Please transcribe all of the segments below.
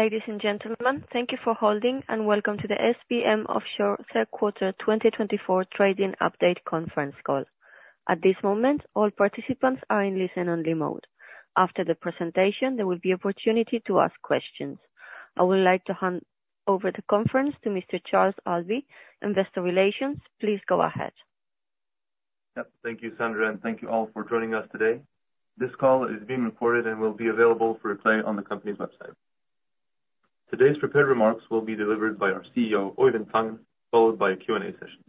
Ladies and gentlemen, thank you for holding, and welcome to the SBM Offshore third quarter 2024 Trading Update Conference Call. At this moment, all participants are in listen-only mode. After the presentation, there will be an opportunity to ask questions. I would like to hand over the conference to Mr. Charles Alby, Investor Relations. Please go ahead. Thank you, Sandra, and thank you all for joining us today. This call is being recorded and will be available for your replay on the company's website. Today's prepared remarks will be delivered by our CEO, Øivind Tangen, followed by a Q&A session.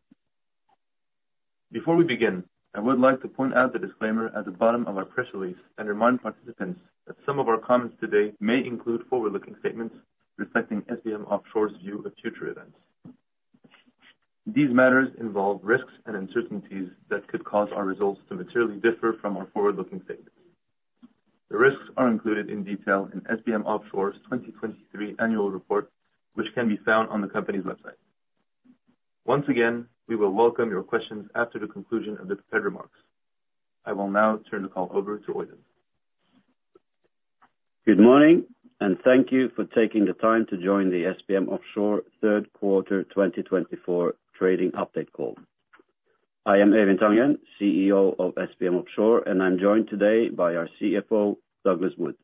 Before we begin, I would like to point out the disclaimer at the bottom of our press release and remind participants that some of our comments today may include forward-looking statements reflecting SBM Offshore's view of future events. These matters involve risks and uncertainties that could cause our results to materially differ from our forward-looking statements. The risks are included in detail in SBM Offshore's 2023 annual report, which can be found on the company's website. Once again, we will welcome your questions after the conclusion of the prepared remarks. I will now turn the call over to Øivind. Good morning, and thank you for taking the time to join the SBM Offshore third quarter 2024 trading update call. I am Øivind Tangen, CEO of SBM Offshore, and I'm joined today by our CFO, Douglas Wood.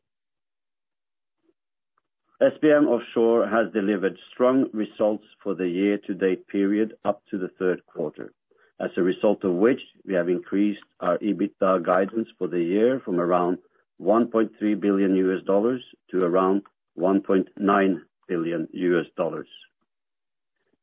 SBM Offshore has delivered strong results for the year-to-date period up to the third quarter, as a result of which we have increased our EBITDA guidance for the year from around $1.3 billion to around $1.9 billion.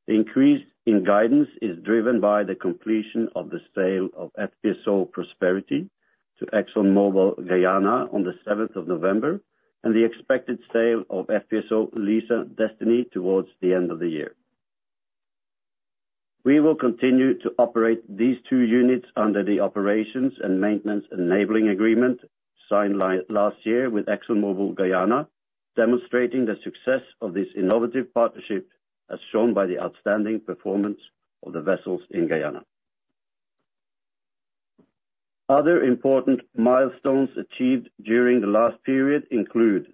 The increase in guidance is driven by the completion of the sale of FPSO Prosperity to ExxonMobil Guyana on the 7th of November and the expected sale of FPSO Liza Destiny towards the end of the year. We will continue to operate these two units under the Operations and Maintenance Enabling Agreement signed last year with ExxonMobil Guyana, demonstrating the success of this innovative partnership, as shown by the outstanding performance of the vessels in Guyana. Other important milestones achieved during the last period include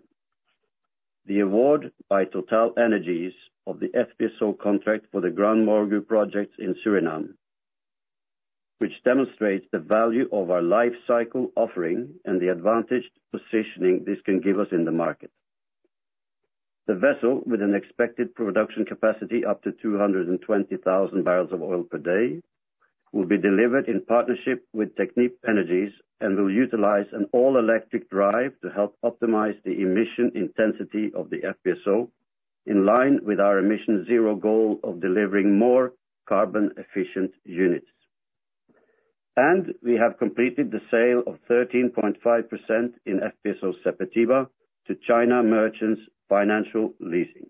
the award by TotalEnergies of the FPSO contract for the GranMorgu projects in Suriname, which demonstrates the value of our life cycle offering and the advantage positioning this can give us in the market. The vessel, with an expected production capacity up to 220,000 barrels of oil per day, will be delivered in partnership with Technip Energies and will utilize an all-electric drive to help optimize the emission intensity of the FPSO, in line with our emission zero goal of delivering more carbon-efficient units. And we have completed the sale of 13.5% in FPSO Sepetiba to China Merchants Financial Leasing.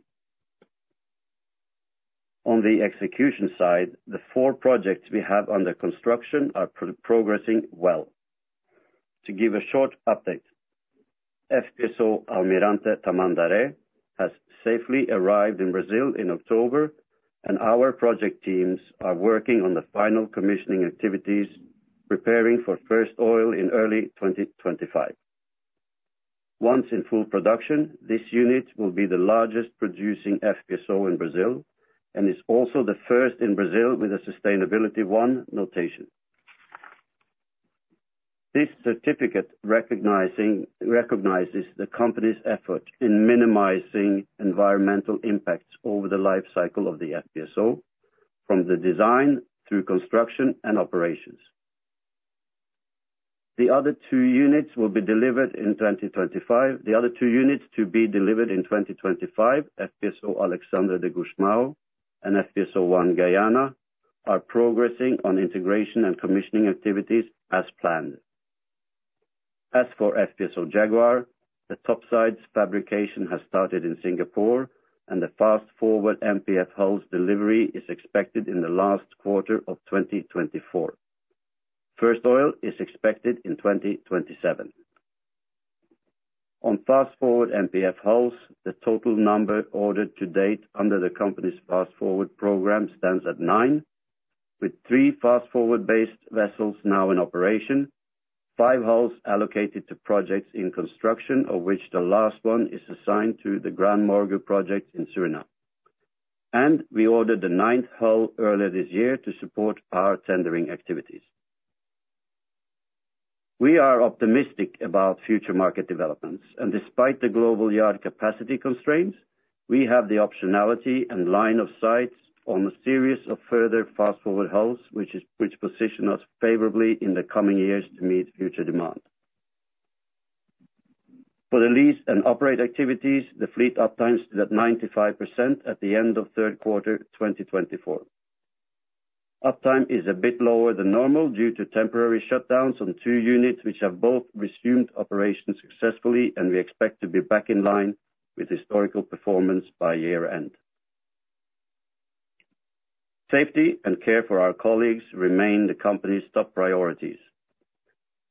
On the execution side, the four projects we have under construction are progressing well. To give a short update, FPSO Almirante Tamandaré has safely arrived in Brazil in October, and our project teams are working on the final commissioning activities, preparing for first oil in early 2025. Once in full production, this unit will be the largest producing FPSO in Brazil and is also the first in Brazil with a Sustainability 1 notation. This certificate recognizes the company's effort in minimizing environmental impacts over the life cycle of the FPSO, from the design through construction and operations. The other two units will be delivered in 2025. The other two units to be delivered in 2025, FPSO Alexandre de Gusmão and FPSO One Guyana, are progressing on integration and commissioning activities as planned. As for FPSO Jaguar, the topsides fabrication has started in Singapore, and the Fast4Ward MPF hulls delivery is expected in the last quarter of 2024. First oil is expected in 2027. On Fast4Ward MPF hulls, the total number ordered to date under the company's Fast4Ward program stands at nine, with three Fast4Ward-based vessels now in operation, five hulls allocated to projects in construction, of which the last one is assigned to the GranMorgu project in Suriname. And we ordered the ninth hull earlier this year to support our tendering activities. We are optimistic about future market developments, and despite the global yard capacity constraints, we have the optionality and line of sight on a series of further Fast4Ward hulls, which will position us favorably in the coming years to meet future demand. For the lease and operate activities, the fleet uptime stood at 95% at the end of third quarter 2024. Uptime is a bit lower than normal due to temporary shutdowns on two units, which have both resumed operation successfully, and we expect to be back in line with historical performance by year-end. Safety and care for our colleagues remain the company's top priorities.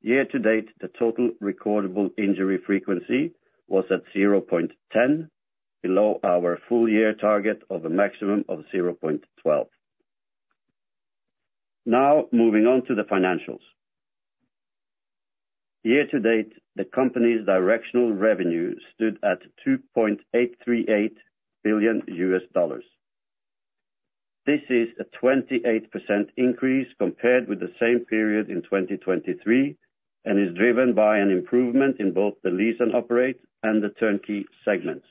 Year-to-date, the total recordable injury frequency was at 0.10, below our full-year target of a maximum of 0.12. Now, moving on to the financials. Year-to-date, the company's directional revenue stood at $2.838 billion. This is a 28% increase compared with the same period in 2023 and is driven by an improvement in both the lease and operate and the turnkey segments.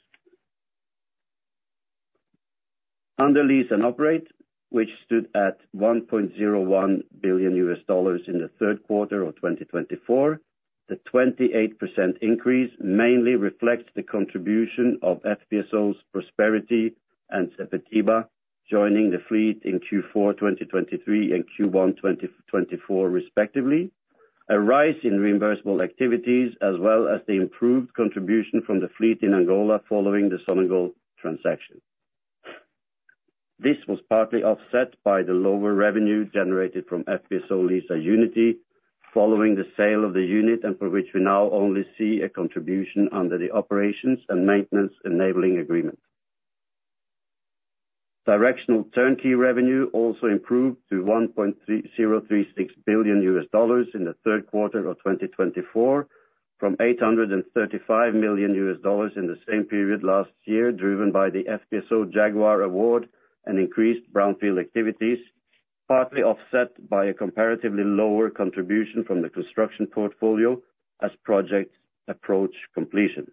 Under Lease and Operate, which stood at $1.01 billion in the third quarter of 2024, the 28% increase mainly reflects the contribution of FPSO Prosperity and FPSO Sepetiba, joining the fleet in Q4 2023 and Q1 2024, respectively, a rise in reimbursable activities, as well as the improved contribution from the fleet in Angola following the Sonangol transaction. This was partly offset by the lower revenue generated from FPSO Liza Unity following the sale of the unit and for which we now only see a contribution under the Operations and Maintenance Enabling Agreement. Directional Turnkey revenue also improved to $1.036 billion in the third quarter of 2024 from $835 million in the same period last year, driven by the FPSO Jaguar award and increased brownfield activities, partly offset by a comparatively lower contribution from the construction portfolio as projects approach completion.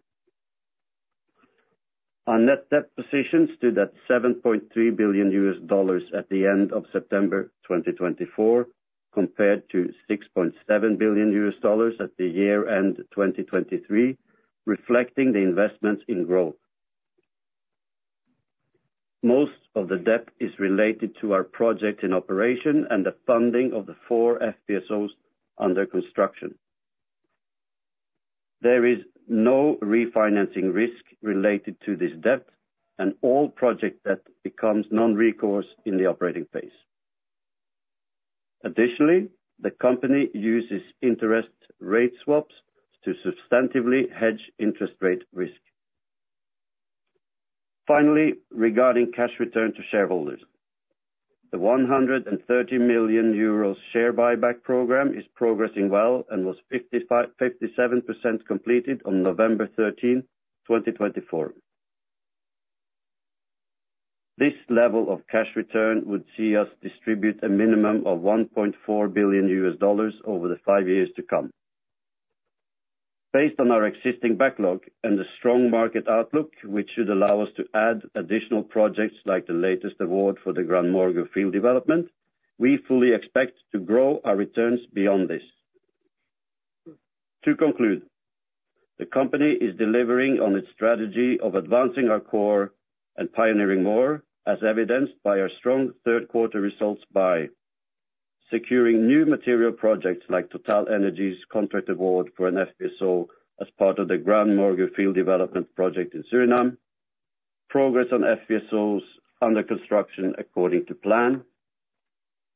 Our net debt position stood at $7.3 billion at the end of September 2024, compared to $6.7 billion at the year-end 2023, reflecting the investments in growth. Most of the debt is related to our projects in operation and the funding of the four FPSOs under construction. There is no refinancing risk related to this debt, and all project debt becomes non-recourse in the operating phase. Additionally, the company uses interest rate swaps to substantively hedge interest rate risk. Finally, regarding cash return to shareholders, the 130 million euros share buyback program is progressing well and was 57% completed on November 13, 2024. This level of cash return would see us distribute a minimum of $1.4 billion over the five years to come. Based on our existing backlog and the strong market outlook, which should allow us to add additional projects like the latest award for the GranMorgu field development, we fully expect to grow our returns beyond this. To conclude, the company is delivering on its strategy of advancing our core and pioneering more, as evidenced by our strong third-quarter results by securing new material projects like TotalEnergies' contract award for an FPSO as part of the GranMorgu field development project in Suriname, progress on FPSOs under construction according to plan,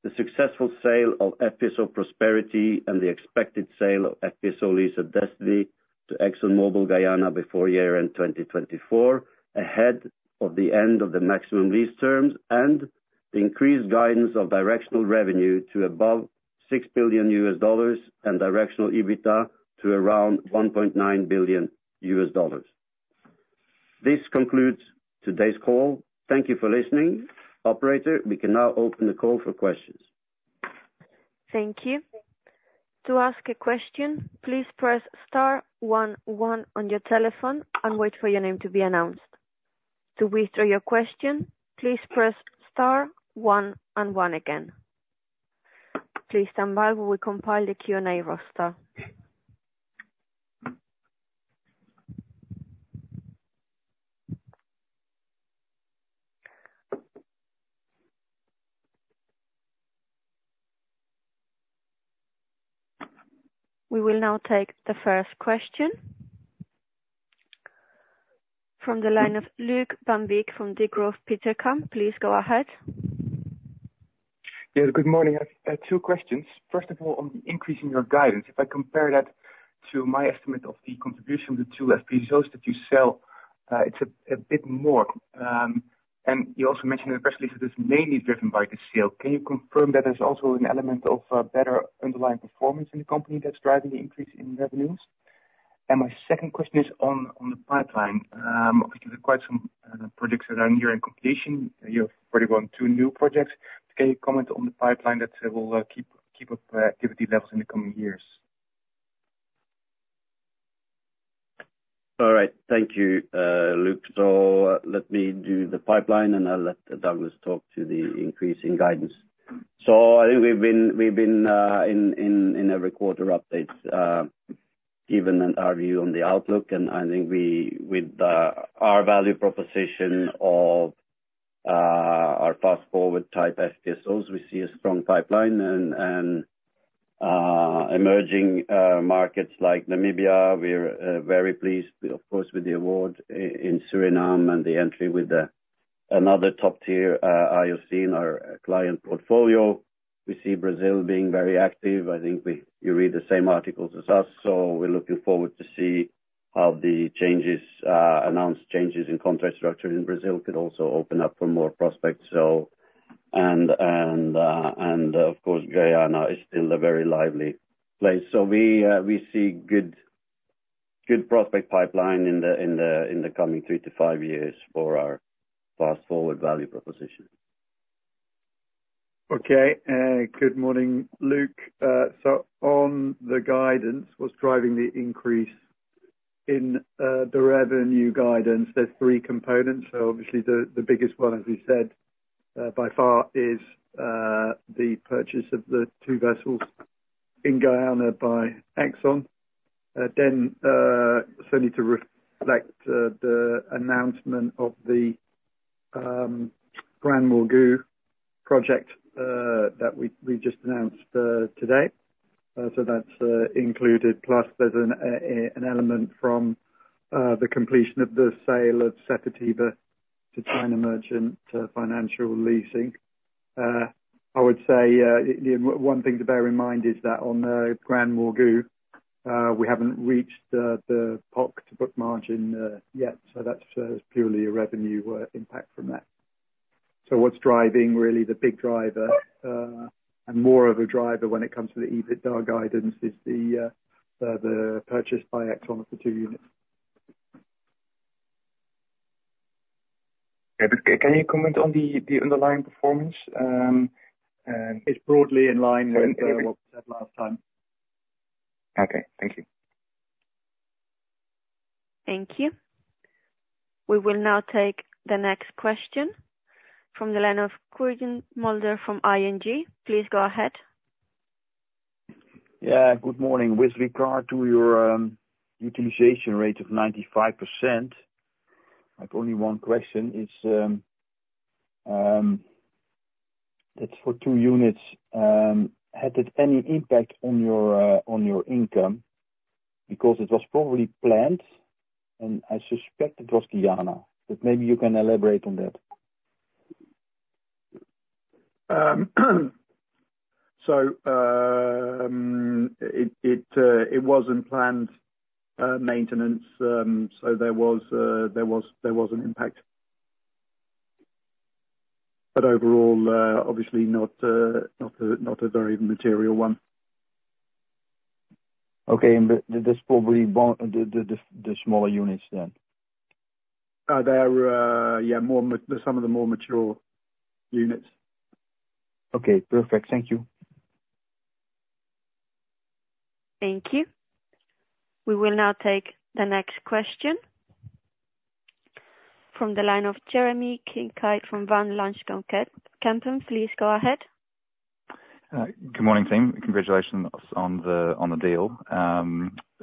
the successful sale of FPSO Prosperity and the expected sale of FPSO Liza Destiny to ExxonMobil Guyana before year-end 2024, ahead of the end of the maximum lease terms, and the increased guidance of directional revenue to above $6 billion and directional EBITDA to around $1.9 billion. This concludes today's call. Thank you for listening. Operator, we can now open the call for questions. Thank you. To ask a question, please press star one one on your telephone and wait for your name to be announced. To withdraw your question, please press star one and one again. Please stand by while we compile the Q&A roster. We will now take the first question from the line of Luuk Van Beek from Degroof Petercam. Please go ahead. Good morning. I have two questions. First of all, on the increase in your guidance, if I compare that to my estimate of the contribution of the two FPSOs that you sell, it's a bit more. And you also mentioned in the press release that it's mainly driven by the sale. Can you confirm that there's also an element of better underlying performance in the company that's driving the increase in revenues? And my second question is on the pipeline. There are quite some projects that are nearing completion. You have already gone to new projects. Can you comment on the pipeline that will keep up activity levels in the coming years? All right. Thank you, Luuk. So let me do the pipeline, and I'll let Douglas talk to the increase in guidance. So I think we've been in every quarter updates, given our view on the outlook. And I think with our value proposition of our Fast4Ward type FPSOs, we see a strong pipeline. And emerging markets like Namibia, we're very pleased, of course, with the award in Suriname and the entry with another top-tier IOC in our client portfolio. We see Brazil being very active. I think you read the same articles as us, so we're looking forward to see how the announced changes in contract structure in Brazil could also open up for more prospects. And of course, Guyana is still a very lively place. So we see good prospect pipeline in the coming three to five years for our Fast4Ward value proposition. Okay. Good morning, Luuk. So on the guidance, what's driving the increase in the revenue guidance? There's three components. So obviously, the biggest one, as we said by far, is the purchase of the two vessels in Guyana by Exxon. Then certainly to reflect the announcement of the GranMorgu project that we just announced today. So that's included. Plus, there's an element from the completion of the sale of Sepetiba to China Merchants Financial Leasing. I would say one thing to bear in mind is that on GranMorgu, we haven't reached the POC to book margin yet. So that's purely a revenue impact from that. So what's driving really the big driver and more of a driver when it comes to the EBITDA guidance is the purchase by Exxon of the two units. Can you comment on the underlying performance and is broadly in line with what we said last time? Okay. Thank you. Thank you. We will now take the next question from the line of Quirijn Mulder from ING. Please go ahead. Yeah. Good morning. With regard to your utilization rate of 95%, I have only one question. That's for two units. Had it any impact on your income? Because it was probably planned, and I suspect it was Guyana. But maybe you can elaborate on that? So it wasn't planned maintenance, so there was an impact. But overall, obviously, not a very material one. Okay, and that's probably the smaller units then? They're, yeah, some of the more mature units. Okay. Perfect. Thank you. Thank you. We will now take the next question from the line of Jeremy Kincaid from Van Lanschot Kempen. Please go ahead. Good morning, team. Congratulations on the deal.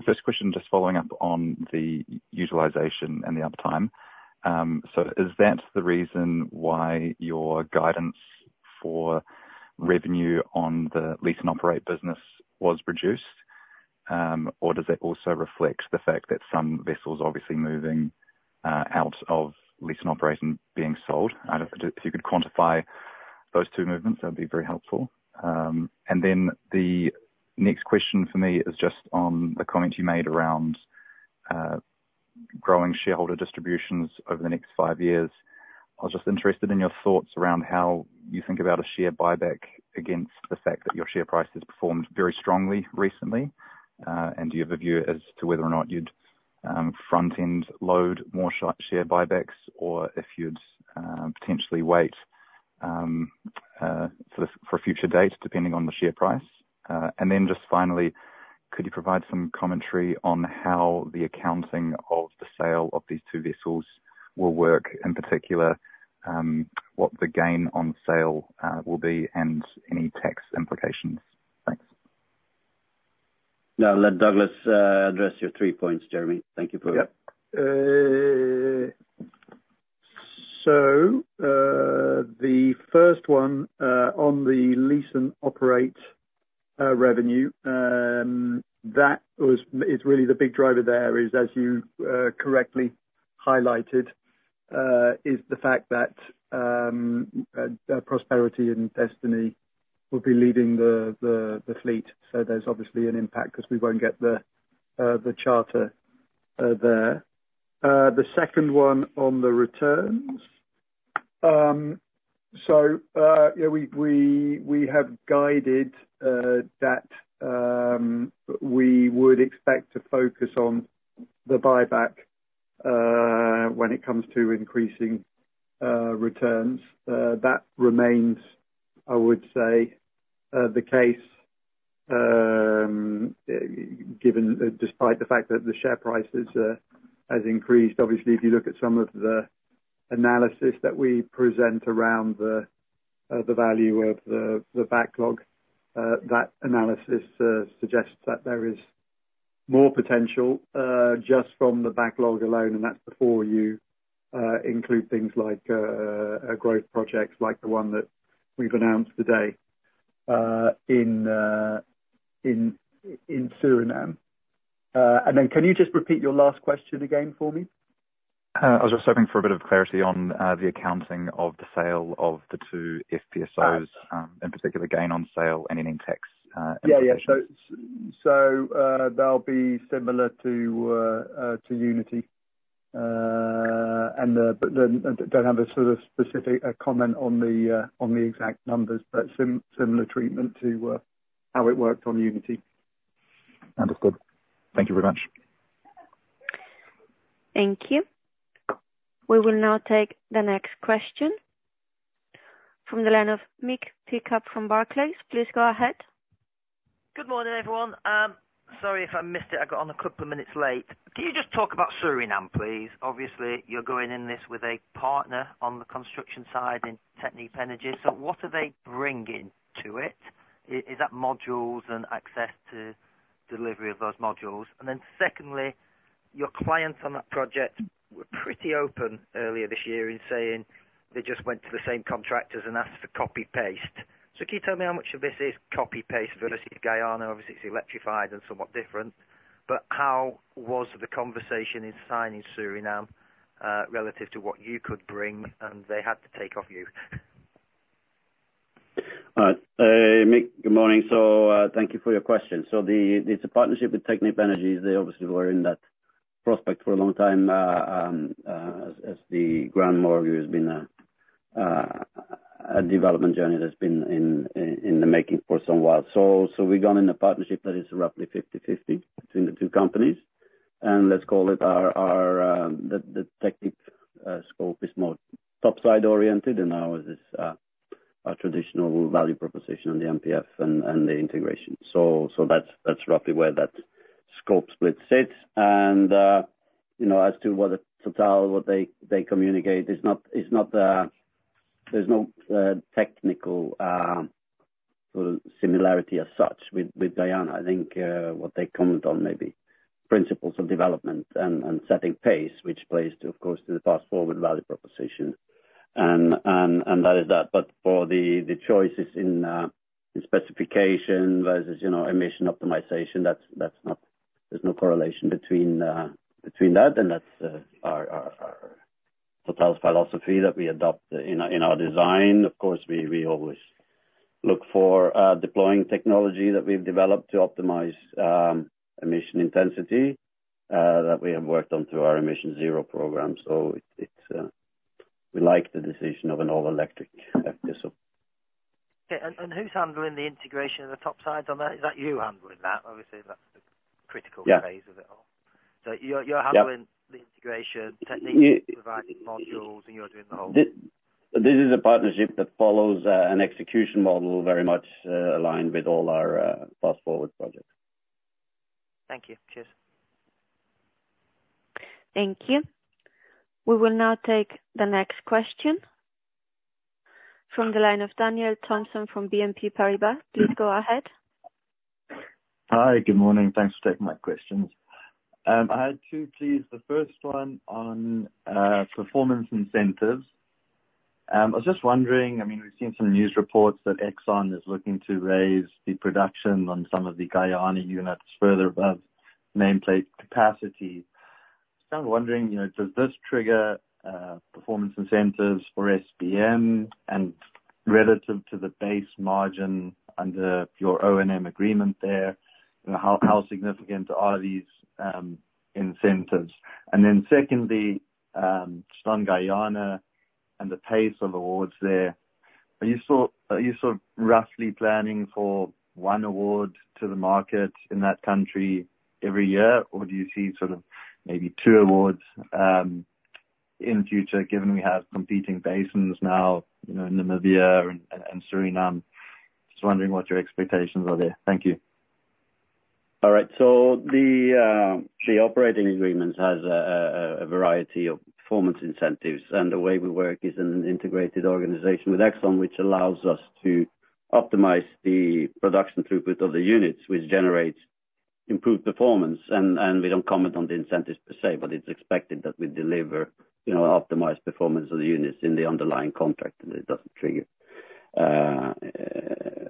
First question, just following up on the utilization and the uptime. So is that the reason why your guidance for revenue on the lease and operate business was reduced? Or does it also reflect the fact that some vessels are obviously moving out of lease and operate and being sold? If you could quantify those two movements, that would be very helpful. And then the next question for me is just on the comment you made around growing shareholder distributions over the next five years. I was just interested in your thoughts around how you think about a share buyback against the fact that your share price has performed very strongly recently. And do you have a view as to whether or not you'd front-end load more share buybacks or if you'd potentially wait for a future date depending on the share price? And then just finally, could you provide some commentary on how the accounting of the sale of these two vessels will work, in particular, what the gain on sale will be, and any tax implications? Thanks. Now, let Douglas address your three points, Jeremy. Thank you for. So, the first one on the lease and operate revenue, that is really the big driver there is, as you correctly highlighted, is the fact that Prosperity and Destiny will be leading the fleet. So there's obviously an impact because we won't get the charter there. The second one on the returns. So we have guided that we would expect to focus on the buyback when it comes to increasing returns. That remains, I would say, the case despite the fact that the share prices have increased. Obviously, if you look at some of the analysis that we present around the value of the backlog, that analysis suggests that there is more potential just from the backlog alone. And that's before you include things like growth projects like the one that we've announced today in Suriname. And then can you just repeat your last question again for me? I was just hoping for a bit of clarity on the accounting of the sale of the two FPSOs, in particular, gain on sale and indexed income. Yeah. Yeah. So they'll be similar to Unity. And I don't have a sort of specific comment on the exact numbers, but similar treatment to how it worked on Unity. Understood. Thank you very much. Thank you. We will now take the next question from the line of Mick Pickup from Barclays. Please go ahead. Good morning, everyone. Sorry if I missed it. I got on a couple of minutes late. Can you just talk about Suriname, please? Obviously, you're going in this with a partner on the construction side in Technip Energies. So what are they bringing to it? Is that modules and access to delivery of those modules? And then secondly, your clients on that project were pretty open earlier this year in saying they just went to the same contractors and asked for copy-paste. So can you tell me how much of this is copy-paste versus Guyana? Obviously, it's electrified and somewhat different. But how was the conversation in signing Suriname relative to what you could bring and they had to take from you? All right. Mick, good morning. So thank you for your question. So it's a partnership with Technip Energies. They obviously were in that prospect for a long time as the GranMorgu has been a development journey that's been in the making for some while. So we've gone in a partnership that is roughly 50/50 between the two companies. And let's call it or the Technip scope is more topside oriented, and not it is our traditional value proposition on the MPF and the integration. So that's roughly where that scope split sits. And as to what they communicate, there's no technical sort of similarity as such with Guyana. I think what they comment on may be principles of development and setting pace, which plays to, of course, to the Fast4Ward value proposition. And that is that. But for the choices in specification versus emission optimization, there's no correlation between that. And that's our total philosophy that we adopt in our design. Of course, we always look for deploying technology that we've developed to optimize emission intensity that we have worked on through our emissionZERO program. So we like the decision of an all-electric FPSO. Okay. And who's handling the integration of the topsides on that? Is that you handling that? Obviously, that's the critical phase of it all. So you're handling the integration, Technip providing modules, and you're doing the whole. This is a partnership that follows an execution model very much aligned with all our Fast4Ward projects. Thank you. Cheers. Thank you. We will now take the next question from the line of Daniel Thompson from BNP Paribas. Please go ahead. Hi. Good morning. Thanks for taking my questions. I had two, please. The first one on performance incentives. I was just wondering, I mean, we've seen some news reports that Exxon is looking to raise the production on some of the Guyana units further above nameplate capacity. So I'm wondering, does this trigger performance incentives for SBM? And relative to the base margin under your O&M agreement there, how significant are these incentives? And then secondly, just on Guyana and the pace of awards there, are you sort of roughly planning for one award to the market in that country every year? Or do you see sort of maybe two awards in future, given we have competing basins now in Namibia and Suriname? Just wondering what your expectations are there. Thank you. All right. So the operating agreement has a variety of performance incentives. And the way we work is an integrated organization with Exxon, which allows us to optimize the production throughput of the units, which generates improved performance. And we don't comment on the incentives per se, but it's expected that we deliver optimized performance of the units in the underlying contract, and it doesn't trigger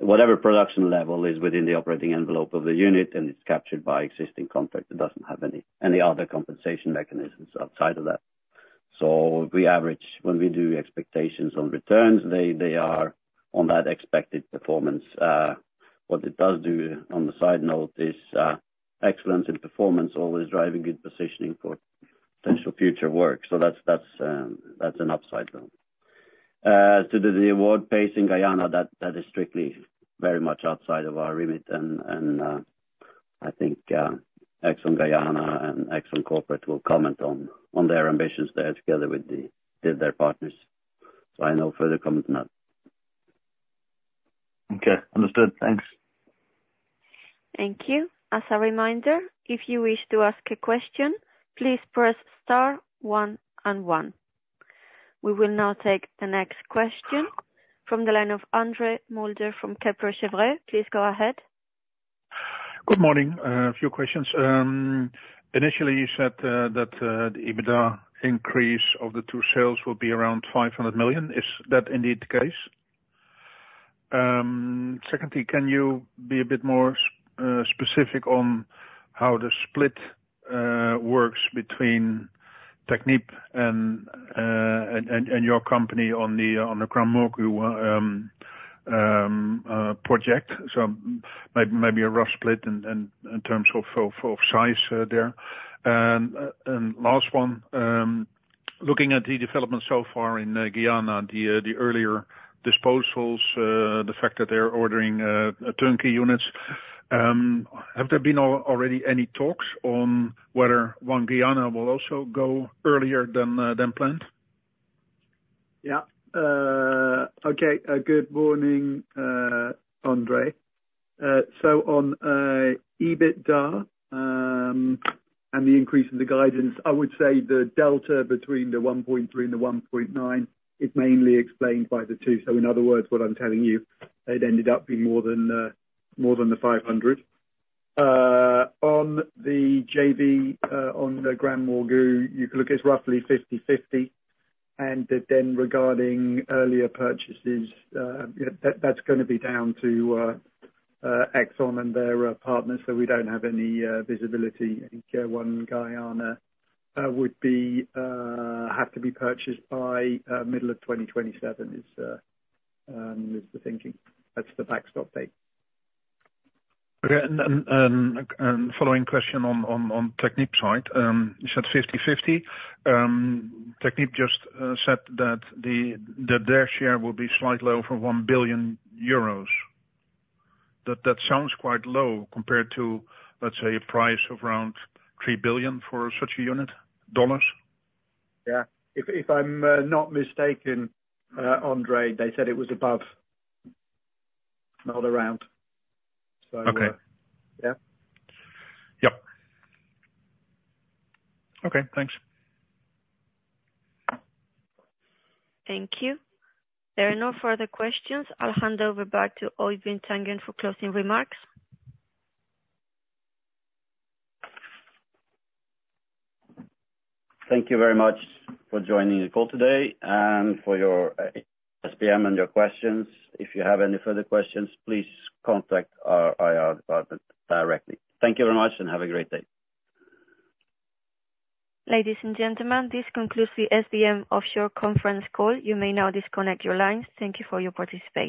whatever production level is within the operating envelope of the unit, and it's captured by existing contract. It doesn't have any other compensation mechanisms outside of that. So when we do expectations on returns, they are on that expected performance. What it does do on the side note is excellence in performance always driving good positioning for potential future work. So that's an upside though. To the award pacing Guyana, that is strictly very much outside of our remit. I think ExxonMobil Guyana and ExxonMobil corporate will comment on their ambitions there together with their partners. So I have no further comment on that. Okay. Understood. Thanks. Thank you. As a reminder, if you wish to ask a question, please press star one and one. We will now take the next question from the line of André Mulder from Kepler Cheuvreux. Please go ahead. Good morning. A few questions. Initially, you said that the EBITDA increase of the two sales will be around $500 million. Is that indeed the case? Secondly, can you be a bit more specific on how the split works between Technip and your company on the GranMorgu project? So maybe a rough split in terms of size there. And last one, looking at the development so far in Guyana, the earlier disposals, the fact that they're ordering turnkey units, have there been already any talks on whether One Guyana will also go earlier than planned? Yeah. Okay. Good morning, André. On EBITDA and the increase in the guidance, I would say the delta between the 1.3 and the 1.9 is mainly explained by the two. In other words, what I'm telling you, it ended up being more than the 500. On the JV on the GranMorgu, you could look at roughly 50/50. Regarding earlier purchases, that's going to be down to Exxon and their partners. We don't have any visibility. One Guyana would have to be purchased by middle of 2027 is the thinking. That's the backstop date. Okay. And following question on Technip side, you said 50/50. Technip just said that their share will be slightly over 1 billion euros. That sounds quite low compared to, let's say, a price of around $3 billion for such a unit, dollars. Yeah. If I'm not mistaken, André, they said it was above, not around. So yeah. Yep. Okay. Thanks. Thank you. There are no further questions. I'll hand over back to Øivind Tangen for closing remarks. Thank you very much for joining the call today and for your time and your questions. If you have any further questions, please contact our IR department directly. Thank you very much and have a great day. Ladies and gentlemen, this concludes the SBM Offshore Conference Call. You may now disconnect your lines. Thank you for your participation.